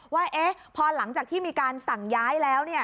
ว่าพอหลังจากที่มีการสั่งย้ายแล้ว